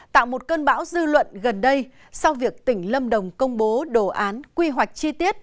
tạo một cơn bão dư luận gần đây sau việc tỉnh lâm đồng công bố đồ án quy hoạch chi tiết